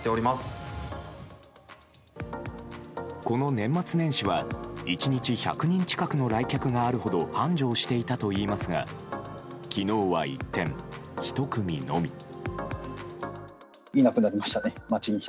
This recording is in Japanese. この年末年始は１日１００人近くの来客があるほど繁盛していたといいますが昨日は一転、１組のみ。